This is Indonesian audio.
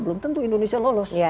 belum tentu indonesia lolos